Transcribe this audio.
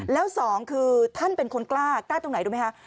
แล้วสองคือท่านเป็นคนกล้ากล้าตรงไหนรู้ไหมคะ